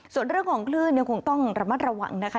ส่วนเรื่องของคลื่นยังคงต้องระมัดระวังนะคะ